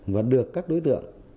và được các đối tượng